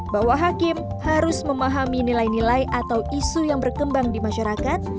bahwa hakim harus memahami nilai nilai atau isu yang berkembang di masyarakat